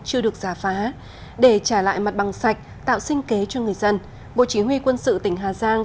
chưa được giả phá để trả lại mặt bằng sạch tạo sinh kế cho người dân bộ chỉ huy quân sự tỉnh hà giang